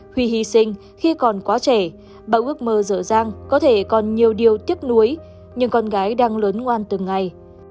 huy hy sinh khi còn quá trẻ bao ước mơ dở dang có thể còn nhiều điều tiếc nuối nhưng con gái đang lớn ngoan từng ngày